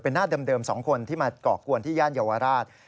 หน้าเดิม๒คนที่มาก่อกวนที่ย่านเยาวราช